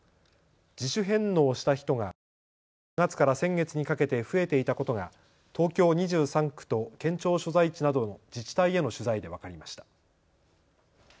自主返納した人がことし４月から先月にかけて増えていたことが東京２３区と県庁所在地などの自治体への取材で分かりました。